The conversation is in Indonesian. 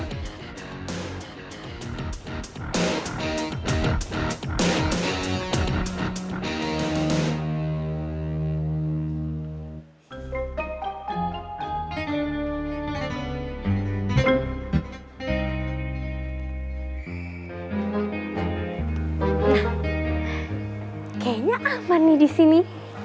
nah kayaknya aman nih di sini